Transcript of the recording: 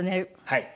はい。